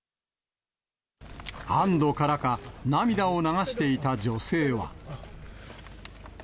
安どからか、涙を流していた女性は。